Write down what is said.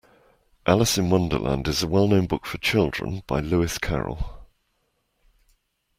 Alice in Wonderland is a well-known book for children by Lewis Carroll